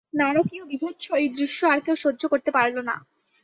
নারকীয় বীভৎস এই দৃশ্য আর কেউ সহ্য করতে পারল না।